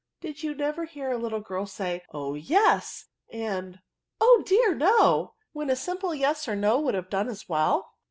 Did you never hear a little girl say, * Oh yes !' and, * O dear no V when simple yes or no would have done as well?"